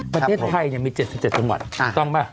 ประเทศไทยมี๗๗จังหวัดต้องป่ะ